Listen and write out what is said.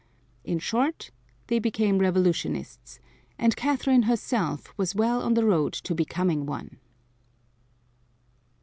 In short they became revolutionists; and Catherine herself was well on the road to becoming one.